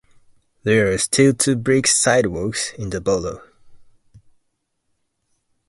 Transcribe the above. There are still two brick sidewalks in the borough.